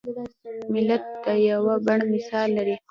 ملت د یوه بڼ مثال لري.